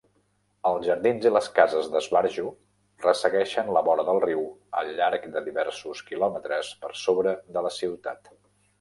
Els jardins i les cases d'esbarjo ressegueixen la vora del riu al llarg de diversos quilòmetres per sobre de la ciutat.